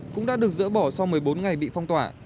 cũng đã được dỡ bỏ sau một mươi bốn ngày bị phong tỏa